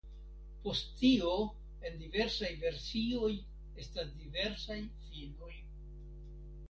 Post tio en diversaj versioj estas diversaj finoj.